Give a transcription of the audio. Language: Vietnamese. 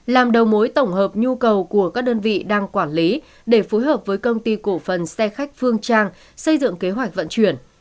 làm đầu mối tổng hợp nhu cầu của các đơn vị đang quản lý để phối hợp với công ty cổ phần xe khách phương trang xây dựng kế hoạch vận chuyển